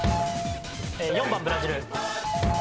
４番ブラジル。